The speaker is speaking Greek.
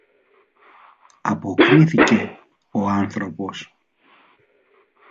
αποκρίθηκε ο άνθρωπος.